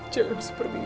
jangan seperti ini